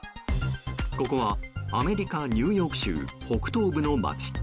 ここはアメリカ・ニューヨーク州北東部の街。